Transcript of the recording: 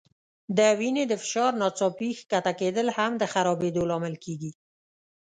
د وینې د فشار ناڅاپي ښکته کېدل هم د خرابېدو لامل کېږي.